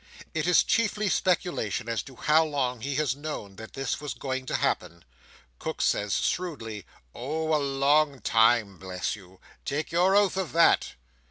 It is chiefly speculation as to how long he has known that this was going to happen. Cook says shrewdly, "Oh a long time, bless you! Take your oath of that."